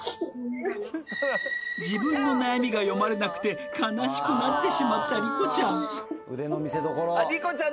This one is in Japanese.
自分の悩みが読まれなくて悲しくなってしまったりこちゃん